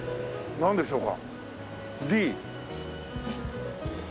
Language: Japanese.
なんでしょうか？